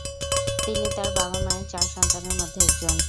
তিনি তাঁর বাবা-মায়ের চার সন্তানের মধ্যে একজন।